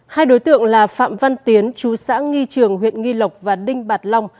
hai đối tượng là phạm văn tiến chú xã nghi trường huyện nghi lộc và đinh bạc long